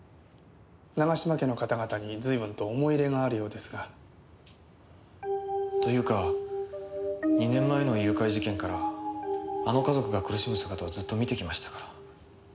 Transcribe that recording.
長島家の方々に随分と思い入れがあるようですが。というか２年前の誘拐事件からあの家族が苦しむ姿をずっと見てきましたから。